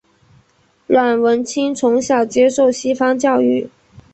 阮文清从小接受西方教育。